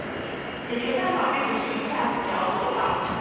解決辦法並不是一下子就要做到